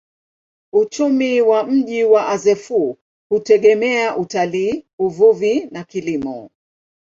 Uchumi wa mji wa Azeffou hutegemea utalii, uvuvi na kilimo.